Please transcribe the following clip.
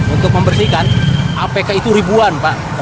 untuk membersihkan apk itu ribuan pak